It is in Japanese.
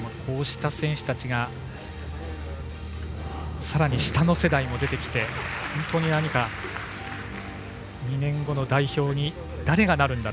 こうした選手たちがさらに下の世代も出てきて本当に２年後の代表に誰がなるのか。